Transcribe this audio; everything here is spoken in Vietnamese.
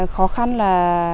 khó khăn là